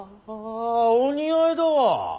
お似合いだわ。